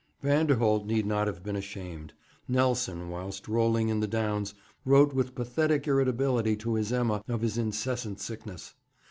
Vanderholt need not have been ashamed. Nelson, whilst rolling in the Downs, wrote with pathetic irritability to his Emma of his incessant sickness.